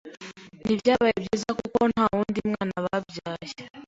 ntibyabaye byiza kuko nta wundi mwana babyaye.